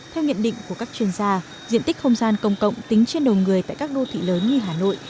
theo nhận định của các chuyên gia diện tích không gian công cộng tính trên đầu người tại các đô thị lớn như hà nội